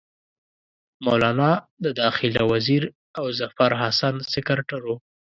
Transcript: مولنا د داخله وزیر او ظفرحسن سکرټر وو.